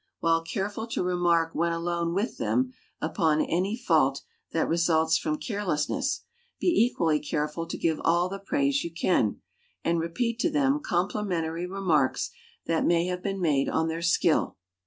While careful to remark when alone with them upon any fault that results from carelessness, be equally careful to give all the praise you can, and repeat to them complimentary remarks that may have been made on their skill.